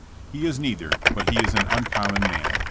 He is neither, but he is an uncommon man.